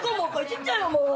小っちゃいわもう。